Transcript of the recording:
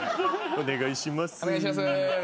お願いします。